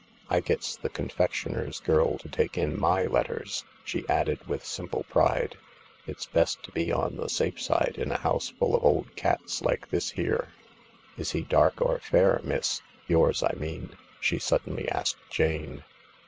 I gets the confectioner's girl to take in my letters," she added with simple pride. " It's best to be on the safe side in a house full of old cats like this here. Is he dark or fair, miss— yours I mean ?" she suddenly asked Jane.